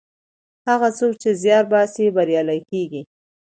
هغه څوک چې زیار باسي بریالی کیږي.